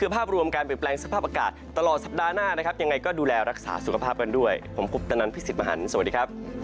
อุณหภูมิในบริเวณตอนกลางอากาศเย็นอยู่บ้างนี่ค